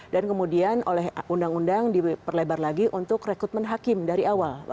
dan kemudian oleh undang undang diperlebar lagi untuk rekrutmen hakim dari awal